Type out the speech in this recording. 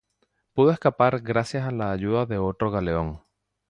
Pudo escapar gracias a la ayuda de otro galeón.